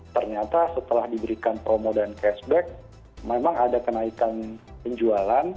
ternyata setelah diberikan promo dan cashback memang ada kenaikan penjualan